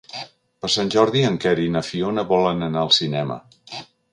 Per Sant Jordi en Quer i na Fiona volen anar al cinema.